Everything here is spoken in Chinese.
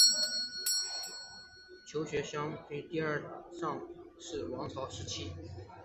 琉球的乡学始于琉球国第二尚氏王朝时期。